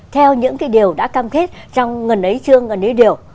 theo những điều đã cam kết trong ngần ấy chương ngần ấy điều